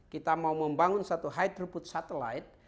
kita mau membangun satu high throughput satellite